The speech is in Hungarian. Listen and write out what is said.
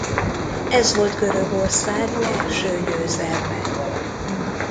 Ez volt Görögország első győzelme.